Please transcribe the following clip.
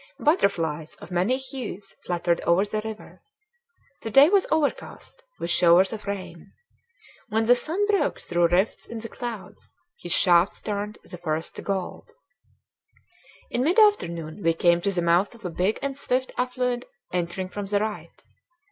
Butterflies of many hues fluttered over the river. The day was overcast, with showers of rain. When the sun broke through rifts in the clouds, his shafts turned the forest to gold. In mid afternoon we came to the mouth of a big and swift affluent entering from the right.